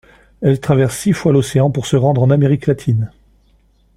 Elle traverse six fois l'océan pour se rendre en Amérique latine.